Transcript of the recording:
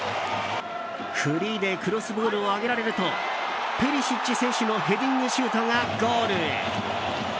フリーでクロスボールを上げられるとペリシッチ選手のヘディングシュートがゴールへ。